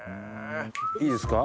いいですか？